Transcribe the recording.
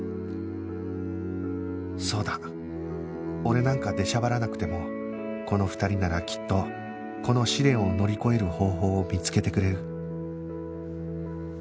そうだ俺なんか出しゃばらなくてもこの２人ならきっとこの試練を乗り越える方法を見つけてくれる